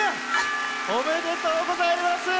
おめでとうございます。